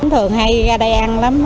thường hay ra đây ăn lắm